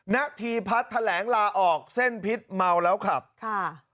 ณธีพัฒน์แถลงลาออกเส้นพิษเมาแล้วขับค่ะ